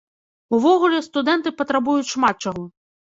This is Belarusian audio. Увогуле, студэнты патрабуюць шмат чаго.